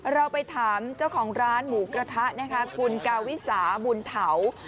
เราไปถามเจ้าของร้านหมูกระทะนะคะคุณกาวิสาบุญเถา